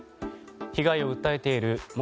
被害を訴えている元